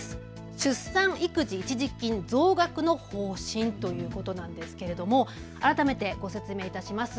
出産育児一時金増額への方針ということですが改めてご説明いたします。